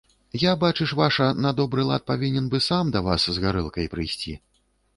Я, бачыш, ваша, на добры лад павінен бы сам да вас з гарэлкай прыйсці.